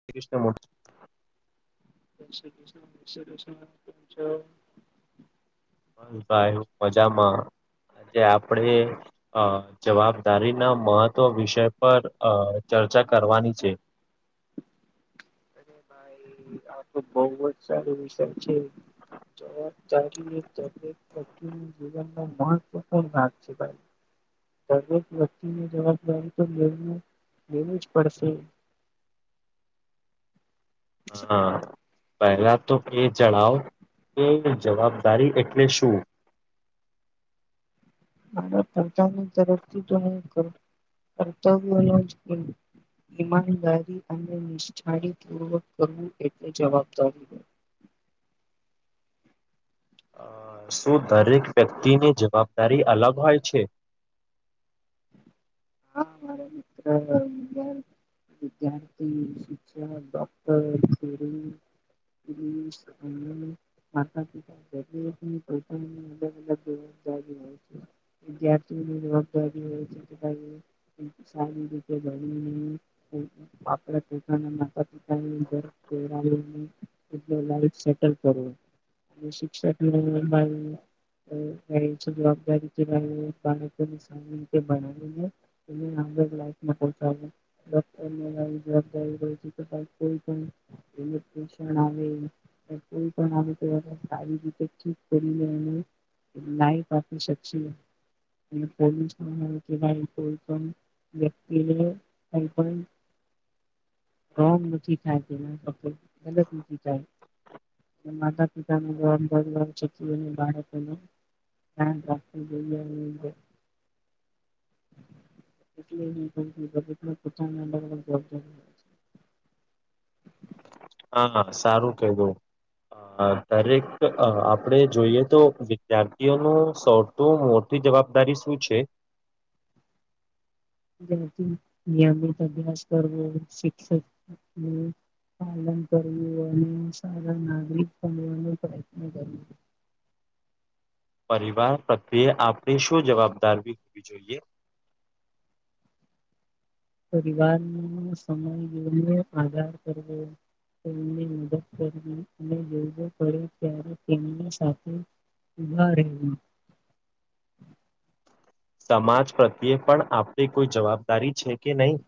શ કૃષણ મોર્ચ [inaudible] ભાઈ મજામાં જે આપડે અ જવાબદારી ના મહત્વ વિષય પર ચર્ચા ચર્ચા કરવાની છે [inaudible] ભાઈ આ તો બહ જ સારો વિષય છે જવાબદારી જીવનમાં મહત્વૂર્ણાગ છે ભાઈ દરેક વ્યક્તિની જવાબદારી તો લ લવું જ પડશે હા પહેલા તો એ જણાવ કે જવાબદારી એટલે શું મારા પ્રજાની તરફથી તો હું કરું અથજ ઈમાનદારી અને નિષ્ઠાળ પૂર્વક કરવું એટલે જવાબદારી હો [inaudible] શું દરેક વ્યક્તિની જવાબદારી અલગ હોય છે હા મારા મિત્ર વિદ્યાર્થી શિક્ષક ડોક્ટર થરી હ માતા પિતા અલગ અલગ હો છે વિ્યારથી જવાબદારીર છેટ સારી રીતે ગણી આપડા પોતાના માતા પિતાની લ સેટલ કર શિક્ષક [unintelligible] ક છે જવાબદારી કે બાળકોને સારી રીતે ભણાવીને લાઈફમાં બહુ જવાબદારી [unintelligible] હોય છે કોઈ [unintelligible] એમનું સ્ટેશણ આવે. એ કોઈ પણ આવી રીતે સારી રીતે તો ઠીક કરી લેવાની. લાઈફ આપી શકશુ અને પોલ્યુશન [unintelligible] વ્યક્તિએ કંઈ પણ રોંગ નથી થાય તેના સાથે ગલત નથી થાય. માતા પિતાનું [unintelligible] બાળકોને હા [unintelligible] એટલે [unintelligible] હા સારું કીધું. અ દરેક આપણેે જોઈએ તો વિદ્યાર્થીઓનું સૌથી મોટી જવાબદારી શું છે? થી નિયમિત અભ્યાસ કરવો શિક્ષકની પાલન કરવુ અને સારા નાગરિક બનવાનો પ્રયત્ન કર પરિવાર પ્રત્યે આપણે શું જવાબદારી હોવી જોઈએ? [unintelligible] પરિવારનો સમય [unintelligible] આધાર કરવો. તેમને મદદ કરવી અને જરૂર પડે ત્યારે તેમની સાથે ઊભા રહેવું. સમાજ પ્રત્યે પણ આપણી કોઈ જવાબદારી છે કે નહીં?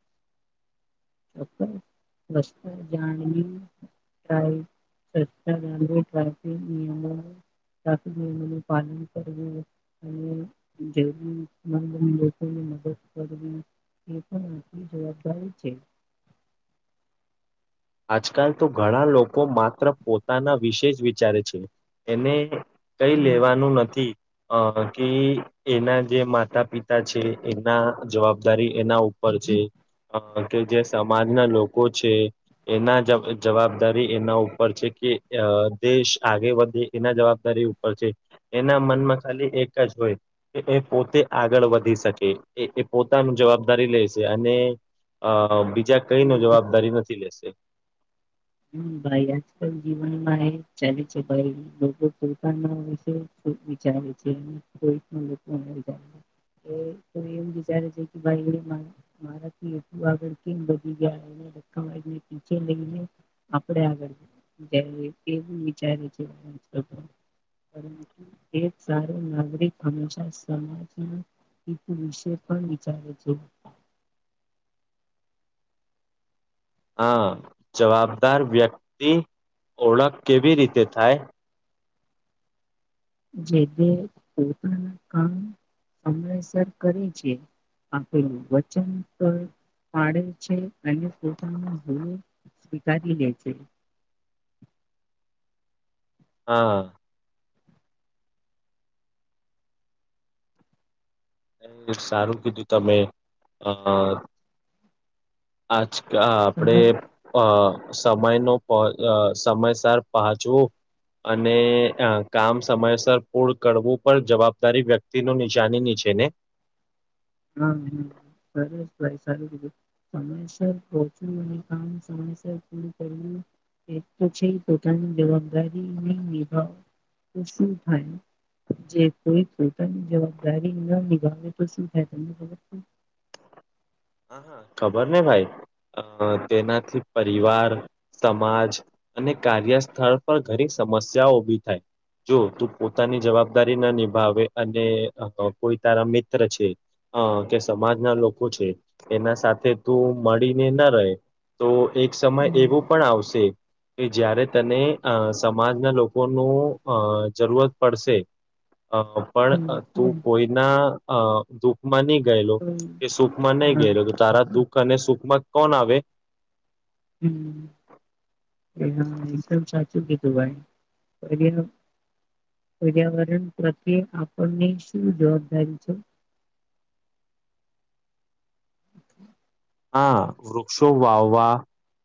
[inaudible] [unintelligible] સ્વચ્છતા જાળવી રાખવી નિયમો નું પાલન કરવું અને જરૂરમંદ લોકોને મદદ કરવી એ પણ આપણી જવાબદારી છે. આજકાલ તો ઘણા લોકો માત્ર પોતાના વિશે જ વિચારે છે એને કઈ આ લેવાનું નથી. અ કી એના જે માતા પિતા છે એના જવાબદારી એના ઉપર છે કે જે સમાજના લોકો છે એના જ જવાબદારી એના ઉપર છે કે અ દેશ આગે વધે એના જવાબદારી ઉપર છે એના મનમાં ખાલી એક જ હોય કે એ પોતે આગળ વધી શકે. એ એ પોતાનું જવાબદારી લેય છે અને બીજા કઈને જવાબદારી નથી લેશે. હમ્મ ભાઈ આજકાલ જીવનમાં એજ ચાલે છે ભાઈ લોકો પોતાના વિશે વિચારે છે અને લોકોના એ તો એમ વિચારે છે કે ભાઈ એ મારાથી એટલું આગળ કેમ વધી ગયા. [unintelligible] આપણે આગળ [unintelligible] એવું વિચારે છે આજ લોકો પરંતુ એક સારું નાગરિક હંમેશા સમાજમાં હિત વિશે પણ વિચારે છે. હા જવાબદાર વ્યક્તિ ઓળખ કેવી રીતે થાય? જે બે પોતાના કામ સમયસર કરે છે આપેલું વચન તો પાડે છે અને પોતાની ભૂલો સ્વીકારી લે છે. [inaudible] હા. સારું કીધું તમે આમ સમય આપણેે અ સમય ન સમયસર પહચવું. અને કામ સમયસર પૂર્ણ કરવું પણ જવાબદારી વ્યક્તિ નો નિશાની ની છેે. [inaudible] એક તો છે પોતાની જવાબદારીની નિભાવ તો શું થાય જે કોઈતાની જવાબદારી ન નિભાવે તો શું. [unintelligible] હા ખબર ને ભાઈ. અ તેનાથી પરિવાર સમાજ અને કાર્યસ્થળ પર ઘડી સમસ્યા ઉભી થાય. જો તું પોતાની જવાબદારી ના નિભાવે અને કોઈ તારા મિત્ર છે. અ કે સમાજના લોકો છે. એના સાથે તું મળીને ન રહે તો એક સમય હમ એવું પણ આવશે કે જય્યારે તને અ સમાજના લોકોનું અ જરૂરત પડશે. [inaudible] અ હમ પણ તું તો કોઈના અ દુઃખમાં નહી ગયેલો કે સુખમાં નહી ગ હા તારા દુઃખ અને સુખમાં કોણ આવે? હમ્મ એ હા એકદમ સાચું દુબાઈ [unintelligible] પર્યાવરણ પ્રત્યે આપણની શું જવાબદારી છે? [inaudible] હા વૃક્ષો વાવવા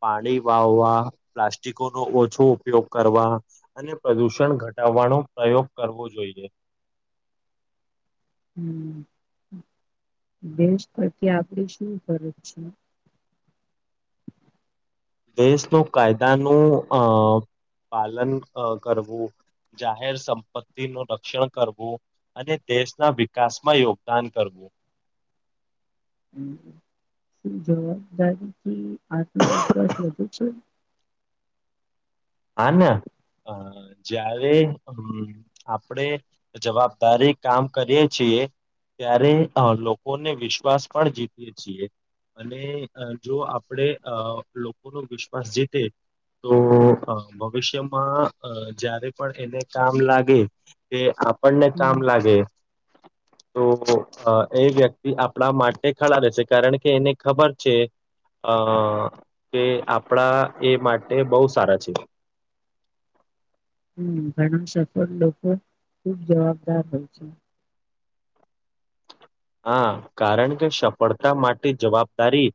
પાણી વાવવા પ્લાસ્ટિકો નો ઓછો ઉપયોગ કરવા અને પ્રદુષણ ઘટા કરવા ન પ્રયોગ કરવો જોઈએ. હમ્મ. દેશ પરથી આપણી શું ફરજ છે. દેશનું કાયદાનું અ પાલન ક કરવું. જાહેર સંપત્તિ નું રક્ષણ કરવું અને દેશના વિકાસમાં યોગદાન કરવું. [inaudible] શું જવાબદારી કે આત્મવિશ્વાસ વધુ છે? હાને. અ જ્યારે અમ આપડે જવાબદારી કામ કરીએ ત્યારે લોકોને વિશ્વાસ પણ જીતીએ છીએ. અને જો આપણેે અ લોકો નો વિશ્વાસ જીતે તો ભવિષ્યમાં જયારે પણ એને કામ લાગે કે પણને હમ કામ લાગે [inaudible] તો એ વ્યક્તિ આપણા માટે ખડા રહેે છે કારણ કે એને ખબર છે. અ કે આપણા એ માટે બહુ સારા છે. હમ્મ ઘણા સફળ લોકો ખુબ જવાબદાર હોય છે. હા કારણ કે સફળતા માટે જવાબદારી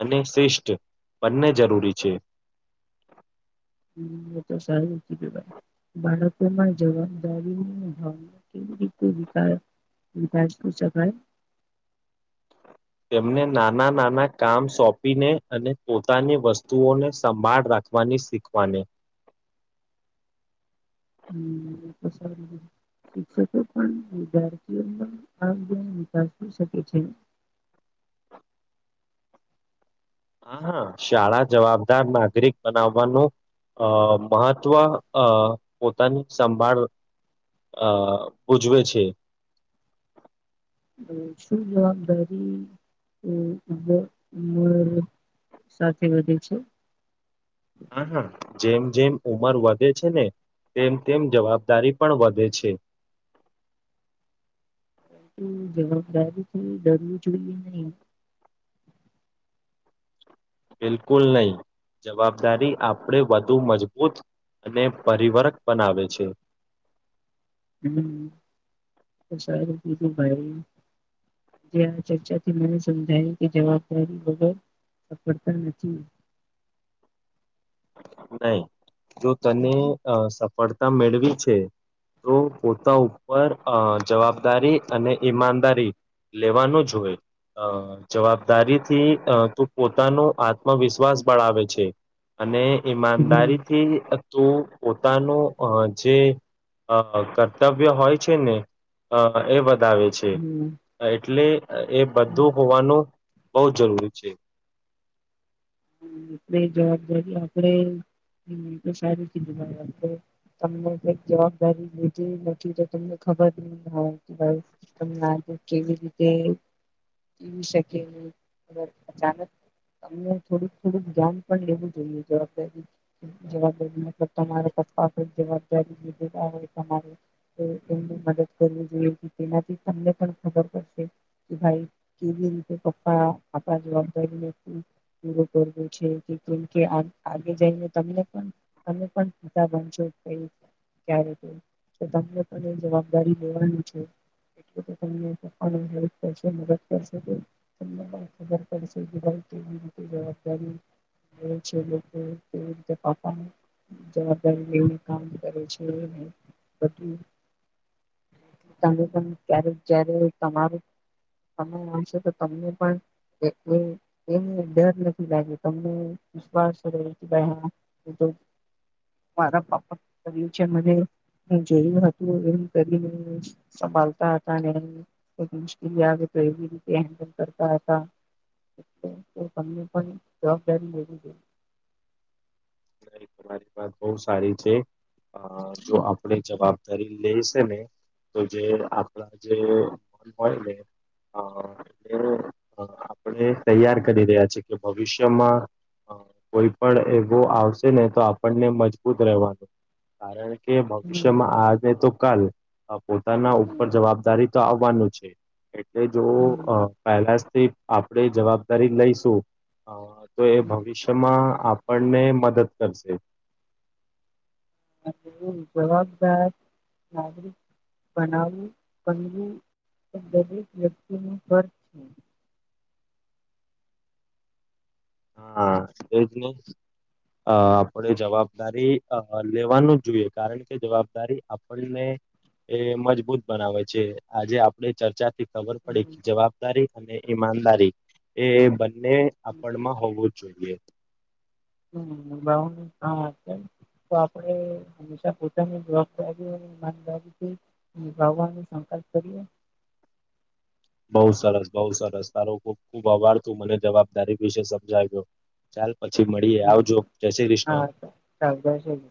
અને શિષ્ઠ બંને જરૂરી છે. હમ્મ એ તો સારું ગ ભાઈ બાળકોમાં જવાબદારીવ [unintelligible] વિકાસ. [unintelligible] તેમને નાના નાના કામ સોંપીને અને પોતાની વસ્તુઓને સંભાળ રાખ વાની શીખવાની. [unintelligible] શિક્ષકો પણ વિદ્યાર્થીઓ [unintelligible] શકે છે. [inaudible] હા હા શાળા જવાબદાર નાગરિક બનાવાનું- અ મહત્વ પોતાની સંભાળ આ બુજવે છે. [inaudible] શું જવાબદારી [unintelligible] સાથે વધે છે. હા હા જેમ જેમ ઉંમર વધે છે ને તેમ તેમ જવાબદારી પણ વધે છે. [inaudible] જવાબદારીથી ડરવું જોઈએ નહિ બિલકુલ નહી. જવાબદારી આપણે વધુ મજબૂત અને પરિવર્ક બનાવે છે. હમ [unintelligible] ભાઈ. જે આ ચર્ચા થી મને સમજાયી કે જવાબદારી વગર [unintelligible] નહી જો તને સફળતા મેળવી છે. તો પોતા ઉપર જવાબદારી અને ઈમાનદારી લેવાનું જ હોય. અ જવાબદારીથી તું પોતાનું આત્મવિશ્વાસ બળાવે છે. અને હમ ઈમાનદારીથી તું પોતાનું જે અ કર્તવ્ય હોય છે ને અ એ વધાવે છે. હમ એટલે એ હમ બધું હોવાનું બહુ જરૂરી છે. આપ જવાબદારી આપણે હ સારી કીધું તમને કક જવાબદારી લીધી નથી તો તમને ખબર [unintelligible] આજ કેવી રીતે. જીવી શકે નહી અચાનક તમને થોડુંક થોડુંક ધ્યાન પણ લેવું જોઈએ જવાબદારી જવાબદારી મતલબ તમારા પપ્પા જવાબદારી હોય મદદ કરવી જોઈએ તેનાથી તમને પણ ખબર પડે. ભાઈ દ કે કપ આપપડા જવાબદારી નથી. વું છે કે કેમકે આગે જઈને તને તમે [unintelligible] ક્યારે તો તમને પણ જવાબદારી લેવાની છે. એ [unintelligible] કરશે તમને ખબર પડશે. જવાબદારી છે લોકો [unintelligible] જવાબદારી લઈને કામ કરે છે તમે પણ ક્યારે જ્યારે તમારું તમે વાસો તો તમને પણ એ એ ડર નથી લાગે તમને વિશ્વાસ રયો કે ભાઈ હા મારા પાપ્પા ફ્યુચર મ હું જેવું હતું એવું કરીને સંભળતા હતા મુશ્કેલી આવે એ રીતે હેન્ડલ કરતા હતા. પણ જવાબદારી લેવી જોઈએ. ના તમારી વાત બહ સારી છે. અ જો આપણે જવાબદારી લેશે ને તો જે આપણા જે મન હોય ને અ એટલે આપણે તૈયાર કરી રહ્યા છીએ કે ભવિષ્યમાં. હ કોઈ પણ એ આવશે ને તો આપણને મજબૂત રહેવાનું કારણ કે હમ ભવિષ્યમાં આને તો પોતાના ઉપર હમ જવાબદારી તો આવવાનું છે. એટલેજો પહેલાથી આપણે જવાબદારી લઈશું. તો એ હમ ભવિષ્યમાં આપણને મદદ કરશે. હ જવાબદાર નાગરિક. બનાવું પંગું દરેક વ્યક્તિ ન વર્થ છે. હા એજ નને. અ આપણે જવાબદારી લેવાનું જ જોઈએ કારણ કે જવાબદારી આપણને. એ મજબૂત બનાવે છે આજે આપડ ચર્ચા થી. ખબર પડી જવાબદારી અને ઈમાનદારી એ બંને આપણમાં. જોઈએ. હમ બ હા. તો આપણે હંમેશા પોતાને જવાબદારી માન કે ભગવા. બસ કરીએ. બઉુ સરસ બઉુ સરસ તારો ખૂબ ખુબ અઆભાર તું મને જવાબદારી વિશે સમજાવ્યો. ચાલ પછી મળીએ હમ આવજો જય શ્રી કૃષ્ણ. હા ચાલ જય શ્રી કૃષ્ણ.